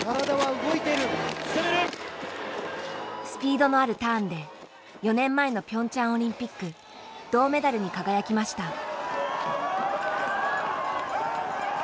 スピードのあるターンで４年前のピョンチャンオリンピック銅メダルに輝きました。